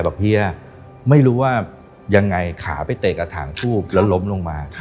เฮียไม่รู้ว่ายังไงขาไปเตะกระถางทูบแล้วล้มลงมา